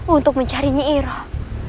untuk mencari nyi iroh